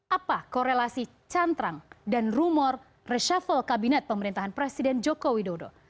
apa korelasi cantrang dan rumor reshuffle kabinet pemerintahan presiden joko widodo